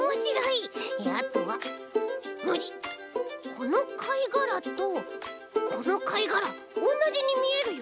このかいがらとこのかいがらおんなじにみえるよ。